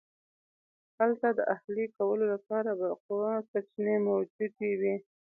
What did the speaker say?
هلته د اهلي کولو لپاره بالقوه سرچینې موجودې وې